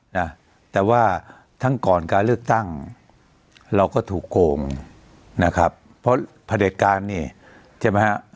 นะแต่ว่าทั้งก่อนการเลือกตั้งเราก็ถูกโกงนะครับเพราะผลิตการเนี่ยเจอมั้ยฮะ